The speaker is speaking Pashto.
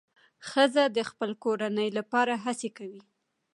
ښځه د خپل کورنۍ لپاره هڅې کوي.